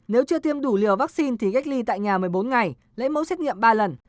nếu chưa tiêm đủ liều vaccine thì cách ly tại nhà một mươi bốn ngày lấy mẫu xét nghiệm ba lần